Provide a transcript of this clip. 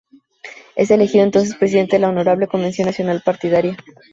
Es elegido entonces presidente de la Honorable Convención Nacional partidaria.